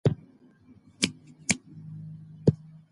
موږ باید له ناامیدۍ ځان وساتو